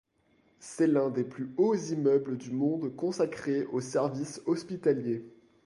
C'est l'un des plus hauts immeuble du monde consacré aux services hospitaliers.